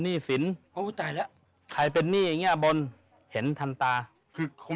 อ๋อเหรอถ้าเขาเช่าบ้านจริง